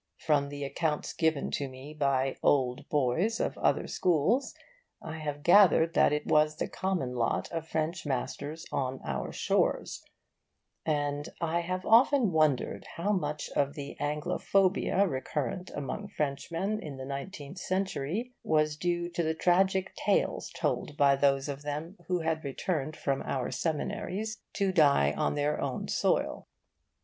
From the accounts given to me by 'old boys' of other schools I have gathered that it was the common lot of French masters on our shores; and I have often wondered how much of the Anglophobia recurrent among Frenchmen in the nineteenth century was due to the tragic tales told by those of them who had returned from our seminaries to die on their own soil.